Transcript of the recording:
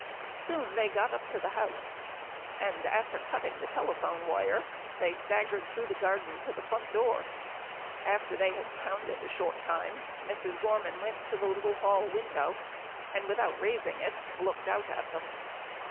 Soon they got up to the house, and after cutting the telephone wire, staggered through the garden to the front door. After they had pounded a short time, Mrs. Gorman went to the little hall window, and without raising it, looked out at them.